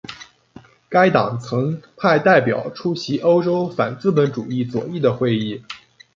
该党曾派代表出席欧洲反资本主义左翼的会议。